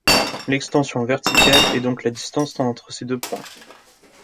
L'extension verticale est donc la distance entre ces deux points.